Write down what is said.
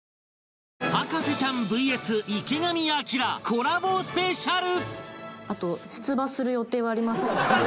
コラボスペシャル！